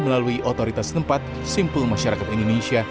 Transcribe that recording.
melalui otoritas tempat simpul masyarakat indonesia